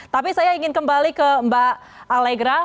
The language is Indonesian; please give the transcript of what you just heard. tapi saya ingin kembali ke mbak alegra